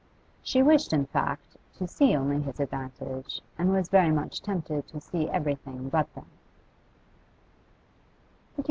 She wished, in fact, to see only his advantage, and was very much tempted to see everything but that.